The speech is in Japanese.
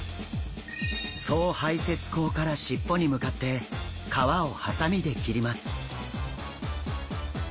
総排泄腔からしっぽに向かって皮をハサミで切ります。